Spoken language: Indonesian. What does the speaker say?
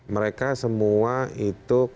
mereka semua itu